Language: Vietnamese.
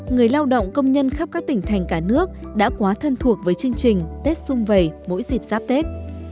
người lao động công nhân khắp các tỉnh thành cả nước đã quá thân thuộc với chương trình tết xung vầy mỗi dịp giáp tết